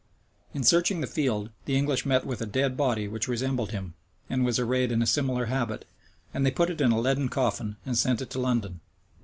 In searching the field, the English met with a dead body which resembled him, and was arrayed in a similar habit; and they put it in a leaden coffin, and sent it to London.